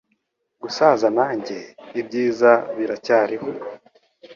Gusaza nanjye! Ibyiza biracyariho. ”